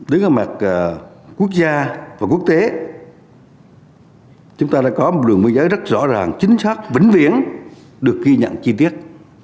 các quốc gia và quốc tế đã có một đường biên giới rất rõ ràng chính xác vĩnh viễn được ghi nhận chi tiết